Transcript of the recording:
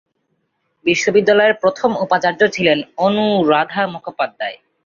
বিশ্ববিদ্যালয়ের প্রথম উপাচার্য ছিলেন অনুরাধা মুখোপাধ্যায়।